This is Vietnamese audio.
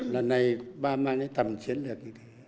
lần này ba mang cái tầm chiến lược